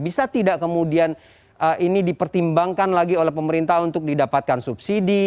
bisa tidak kemudian ini dipertimbangkan lagi oleh pemerintah untuk didapatkan subsidi